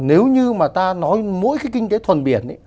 nếu như mà ta nói mỗi cái kinh tế thuần biển